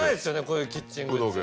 こういうキッチングッズ。